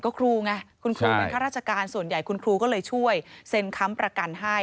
ก็ครูไงคุณครูเป็นข้าราชการส่วนใหญ่คุณครูก็เลยช่วยเซ็นค้ำประกันให้